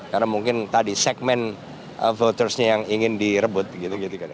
karena mungkin tadi segmen votersnya yang ingin direbut gitu gitu